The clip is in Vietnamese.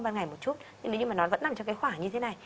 ban ngày một chút nhưng mà nó vẫn nằm trong cái khoảng như thế này